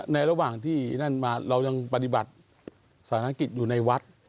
ระหว่างที่นั่นมาเรายังปฏิบัติสารกิจอยู่ในวัด